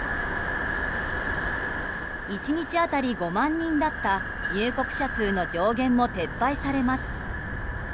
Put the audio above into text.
１日当たり５万人だった入国者数の上限も撤廃されます。